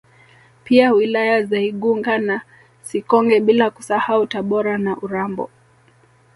Pia wilaya za Igunga na Sikonge bila kusahau Tabora na Urambo